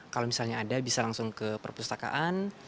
kalau misalnya ada bisa langsung ke perpustakaan